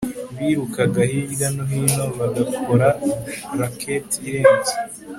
birukaga hirya no hino bagakora racket irenze